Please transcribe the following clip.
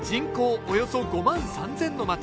およそ５万３，０００の町